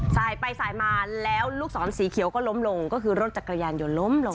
สายไปสายมาแล้วลูกศรสีเขียวก็ล้มลงก็คือรถจักรยานยนต์ล้มลง